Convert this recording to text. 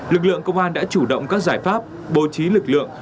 lực lượng công an đã chủ động các giải pháp bố trí lực lượng